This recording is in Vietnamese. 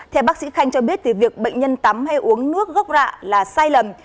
theo bác sĩ khanh cho biết việc bệnh nhân tắm hay uống nước gốc rạ là sai lầm